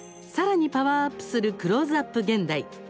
さらにパワーアップする「クローズアップ現代」。